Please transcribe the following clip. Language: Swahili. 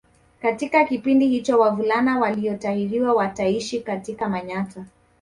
Katika kipindi hicho wavulana waliotahiriwa wataishi katika Manyatta